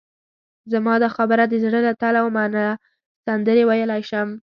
زما دا خبره د زړه له تله ومنه، سندرې ویلای شم.